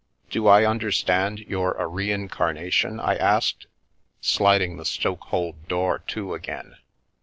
"Do I understand you're a reincarnation?" I asked, sliding the stokehold door to again.